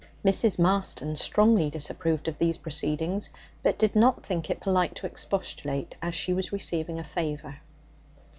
Mrs. Marston strongly disapproved of these proceedings, but did not think it polite to expostulate, as she was receiving a favour.